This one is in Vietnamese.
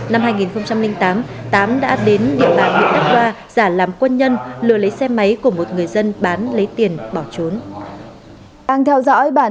năm hai nghìn tám tám đã đến địa bàn huyện đắc đoa giả làm quân nhân lừa lấy xe máy của một người dân bán lấy tiền bỏ trốn